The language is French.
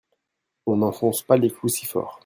on n'enfonce pas les clous si fort.